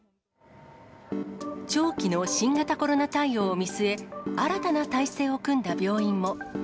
長期の新型コロナ対応を見据え、新たな体制を組んだ病院も。